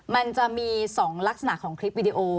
มันจะมี๒ลักษณะของคลิปวิดีโอ